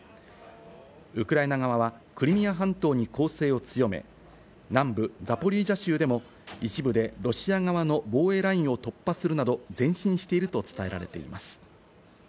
ウクライナ側はクリミア半島に攻勢を強め、南部ザポリージャ州でも一部でロシア側の防衛ラインを突破するなど、前進していると伝えられています。